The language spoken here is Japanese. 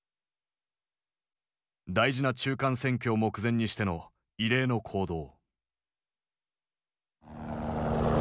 大事な中間選挙を目前にしての異例の行動。